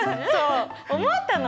思ったの！